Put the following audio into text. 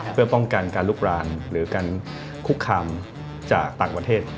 เพื่อป้องกันการลุกรานหรือการคุกคามจากต่างประเทศ